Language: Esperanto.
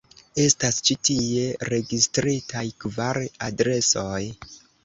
Estas ĉi tie registritaj kvar adresoj.